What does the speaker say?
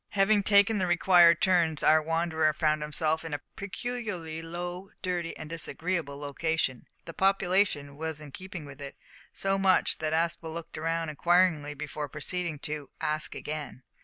Having taken the required turns our wanderer found himself in a peculiarly low, dirty, and disagreeable locality. The population was in keeping with it so much so that Aspel looked round inquiringly before proceeding to "ask again."